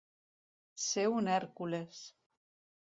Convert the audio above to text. Ser un Hèrcules.